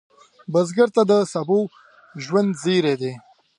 بزګر ته د سبو ژوند زېری دی